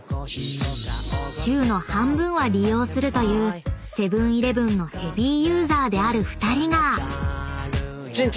［週の半分は利用するというセブン−イレブンのヘビーユーザーである２人が］